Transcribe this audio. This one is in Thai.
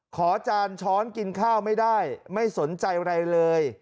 จานช้อนกินข้าวไม่ได้ไม่สนใจอะไรเลย